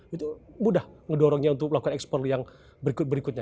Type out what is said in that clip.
itu mudah mendorongnya untuk melakukan ekspor yang berikut berikutnya